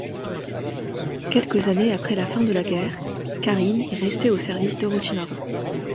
Quelques années après la fin de la guerre, Karin est restée au service d'Orochimaru.